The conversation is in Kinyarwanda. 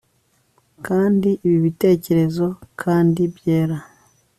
Kandi ibi bitekerezo kandi byera